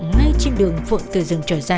ngay trên đường phượng từ rừng trời ra